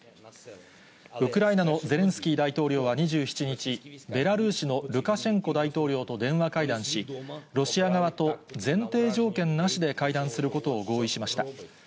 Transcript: ウクライナのゼレンスキー大統領は２７日、ベラルーシのルカシェンコ大統領と電話会談し、ロシア側と前提条件なしで会談することを合意しました。